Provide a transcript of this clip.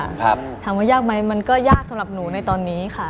ถามว่ายากไหมมันก็ยากสำหรับหนูในตอนนี้ค่ะ